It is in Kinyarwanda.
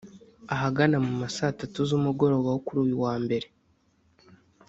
ahagana mu ma saa tatu z’umugoroba wo kuri uyu wa mbere